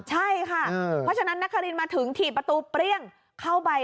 ใช่ค่ะเพราะฉะนั้นนักคารินมาถึงถี่ประตูเปรี้ยงเข้าไป